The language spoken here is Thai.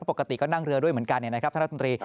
ปกติก็นั่งเรือด้วยเหมือนกันนะครับท่านรัฐมนตรี